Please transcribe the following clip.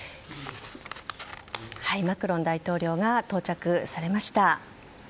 マクロン大統領が到着されました。